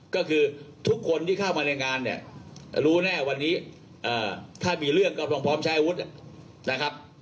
ก็คือทุกคนที่เข้ามาในงานเนี่ยรู้แน่วันนี้ถ้ามีเรื่องก็ต้องพร้อมใช้อาวุธนะครับ